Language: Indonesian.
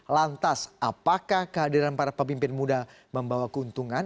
lantas apakah kehadiran para pemimpin muda membawa keuntungan